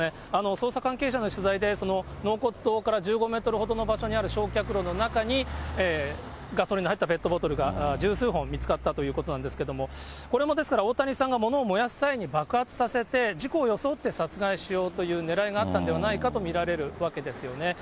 捜査関係者の取材で、納骨堂から１５メートルほどの場所にある焼却炉の中に、ガソリンの入ったペットボトルが十数本見つかったということなんですけども、これもですから大谷さんがものを燃やす際に爆発させて、事故を装って殺害しようという狙いがあったんではないかと見られるわけですよね。